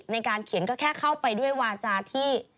ในการเขียนก็แค่เข้าไปด้วยวาจาที่